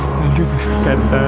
tuh lagi berkata